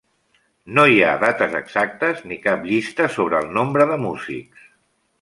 No hi ha dates exactes, ni cap llista sobre el nombre de músics.